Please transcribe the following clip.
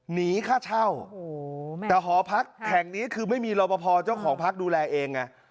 หนีค่าเช่าแต่หอพักแห่งนี้คือไม่มีรอปภเจ้าของพักดูแลเองไง